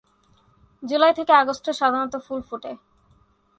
জুলাই থেকে আগস্টে সাধারণত ফুল ফুটে।